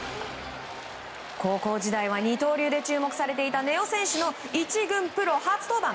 高校時代は二刀流で注目されていた根尾投手の１軍プロ初登板。